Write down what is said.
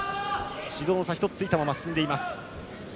指導の差、１つついたまま進んでいます。